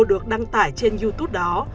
được đăng tải trên youtube đó